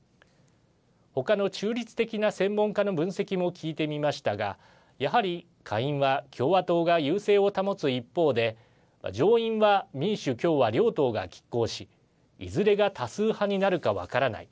他の中立的な専門家の分析も聞いてみましたがやはり、下院は共和党が優勢を保つ一方で上院は民主・共和両党がきっ抗しいずれが多数派になるか分からない。